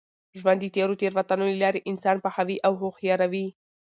ژوند د تېرو تېروتنو له لاري انسان پخوي او هوښیاروي.